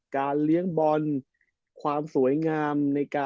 เลี้ยงบอลความสวยงาม